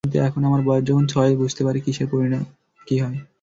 কিন্তু এখন আমার বয়স যখন ছয়, বুঝতে পারি কীসের পরিণাম কী হয়।